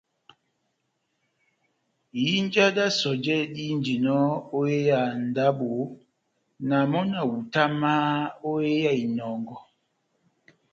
Ihinja d́ sɔjɛ dihínjinɔ ó hé ya ndábo, na mɔ́ na hutamahá ó ya inɔngɔ.